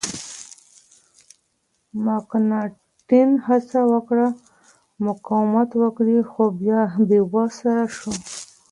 مکناتن هڅه وکړه مقاومت وکړي خو بې وسه شو.